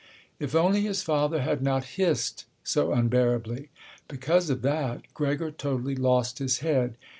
If only his father had not hissed so unbearably! Because of that Gregor totally lost his head.